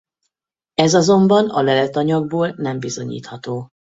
Ez azonban a leletanyagból nem bizonyítható.